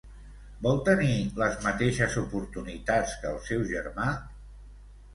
Vol tenir les mateixes oportunitats que el seu germà?